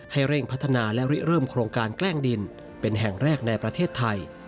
ให้เร่งพัฒนาและริเริ่มโครงการแกล้งดินเป็นแห่งแรกในประเทศไทย